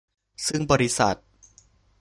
ซึ่งบริษัท